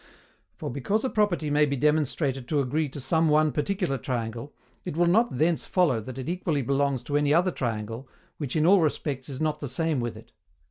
For, because a property may be demonstrated to agree to some one particular triangle, it will not thence follow that it equally belongs to any other triangle, which in all respects is not the same with it.